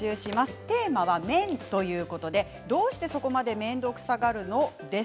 テーマは麺ということでどうしてそこまで面倒くさがるの？ということです。